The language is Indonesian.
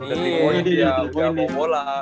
ini dia mau bola